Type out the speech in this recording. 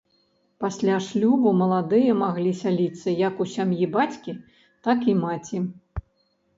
Пасля шлюбу маладыя маглі сяліцца як у сям'і бацькі, так і маці.